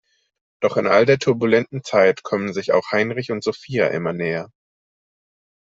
Doch in all der turbulenten Zeit kommen sich auch Heinrich und Sophia immer näher.